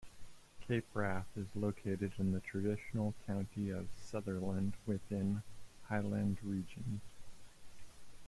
Cape Wrath is located in the traditional county of Sutherland within Highland Region.